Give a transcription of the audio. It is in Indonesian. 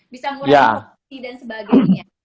bisa mengurangi seperti dan sebagainya